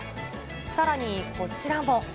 さらにこちらも。